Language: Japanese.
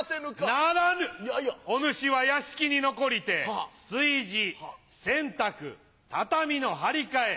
ならぬお主は屋敷に残りて炊事洗濯畳の張り替え